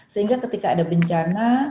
sehingga ketika ada bencana